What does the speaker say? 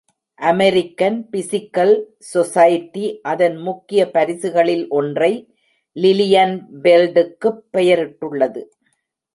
American physical society அதன் முக்கிய பரிசுகளில் ஒன்றை லிலியன்ஃபெல்டுக்குப் பெயரிட்டுள்ளது.